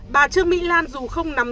bà trương mỹ lan dù không nằm